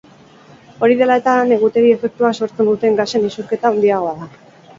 Hori dela eta, negutegi efektua sortzen duten gasen isurketa handiagoa da.